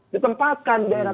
ditempatkan di daerah